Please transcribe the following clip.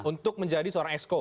untuk menjadi seorang esko